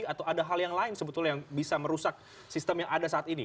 atau ada hal yang lain sebetulnya yang bisa merusak sistem yang ada saat ini